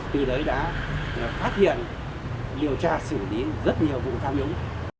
từ đấy đã phát hiện điều tra xử lý rất nhiều vụ tham nhũng